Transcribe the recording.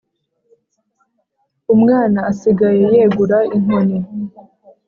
umwana asigaye yegura inkoni